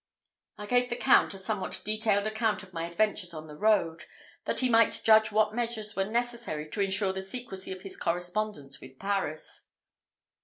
I gave the Count a somewhat detailed account of my adventures on the road, that he might judge what measures were necessary to insure the secrecy of his correspondence with Paris.